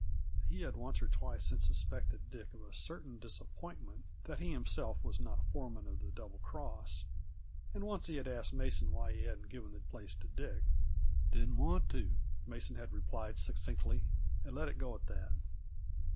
He had once or twice since suspected Dick of a certain disappointment that he himself was not foreman of the Double Cross, and once he had asked Mason why he hadn't given the place to Dick. "Didn't want to," Mason had replied succinctly, and let it go at that.